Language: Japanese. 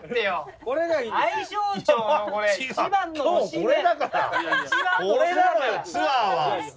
これだからツアーは。